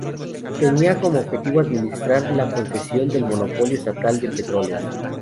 Tenía como objetivo administrar la concesión del monopolio estatal de petróleos.